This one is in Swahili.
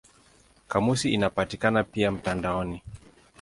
Kamusi inapatikana pia mtandaoni.